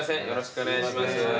よろしくお願いします。